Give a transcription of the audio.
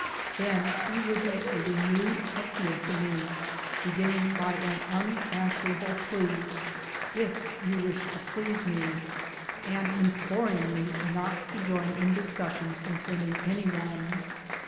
Then lie would make a renewed appeal to me beginning by an unanswerable plea, ''if you wish to please me," and im ploring me not to join in discussions concerning any one.